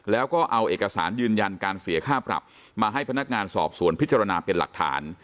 แล้วก็เอาเอกสารยืนยันการเสียค่าปรับมาให้พนักงานสอบสวนพิจารณาเป็นหลักฐาน